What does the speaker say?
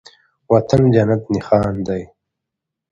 وطن جنت نښان دی